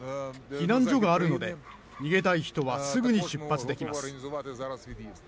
避難所があるので、逃げたい人はすぐに出発できます。